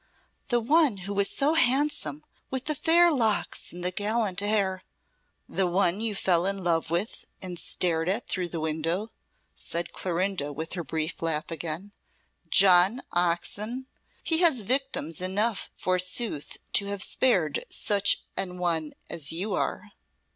"The one who was so handsome with the fair locks and the gallant air " "The one you fell in love with and stared at through the window," said Clorinda, with her brief laugh again. "John Oxon! He has victims enough, forsooth, to have spared such an one as you are."